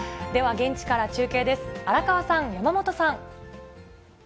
では、現地から中継です、荒川さん、山本さん。